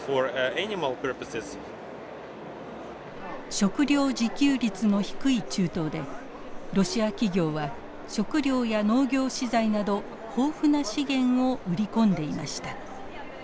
食料自給率の低い中東でロシア企業は食料や農業資材など豊富な資源を売り込んでいました。